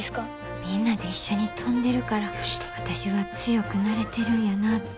みんなで一緒に飛んでるから私は強くなれてるんやなって。